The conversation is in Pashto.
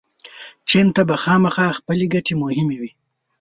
چین ته به خامخا خپلې ګټې مهمې وي.